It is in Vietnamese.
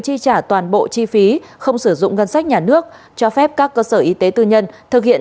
chi trả toàn bộ chi phí không sử dụng ngân sách nhà nước cho phép các cơ sở y tế tư nhân thực hiện